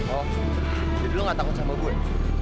oh jadi lu gak takut sama gue